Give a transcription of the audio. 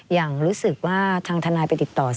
อย่างรู้สึกว่าทางทนายไปติดต่อสิ